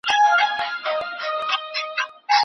ما له شاګرد څخه د هغه د څيړني په اړه وپوښتل.